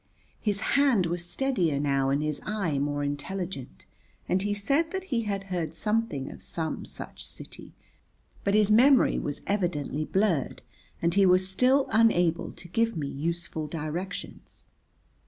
His hand was steadier now and his eyes more intelligent and he said that he had heard something of some such city, but his memory was evidently blurred and he was still unable to give me useful directions.